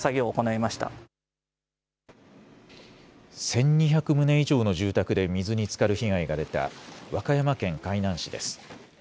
１２００棟以上の住宅で水につかる被害が出た和歌山県海南市です。